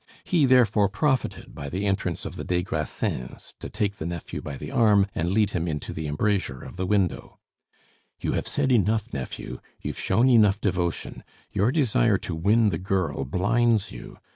He therefore profited by the entrance of the des Grassins to take the nephew by the arm and lead him into the embrasure of the window, "You have said enough, nephew; you've shown enough devotion. Your desire to win the girl blinds you.